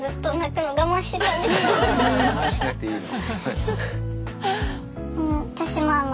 我慢しなくていいの。